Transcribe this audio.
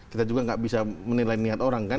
kita juga nggak bisa menilai niat orang kan